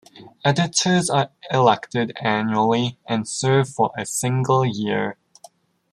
Editors are elected annually and serve for a single year.